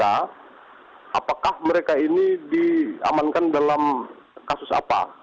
apakah mereka ini diamankan dalam kasus apa